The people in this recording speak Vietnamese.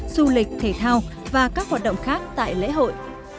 du lịch thể thao và các hoạt động khác tại lễ hội